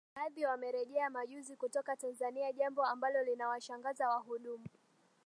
na baadhi wamerejea majuzi kutoka Tanzania jambo ambalo linawashangaza wahudumu